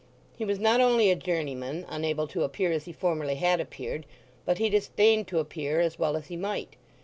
He was not only a journeyman, unable to appear as he formerly had appeared, but he disdained to appear as well as he might.